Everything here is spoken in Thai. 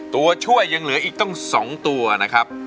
ตัวช่วยยังเหลืออีกตั้ง๒ตัวนะครับ